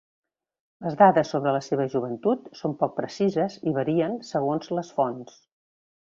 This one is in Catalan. Les dades sobre la seva joventut són poc precises i varien segons les fonts.